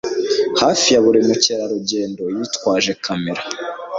Hafi ya buri mukerarugendo yitwaje kamera.